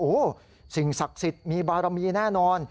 โอ้โหสิ่งศักดิ์สิทธิ์มีบารมีแน่นอน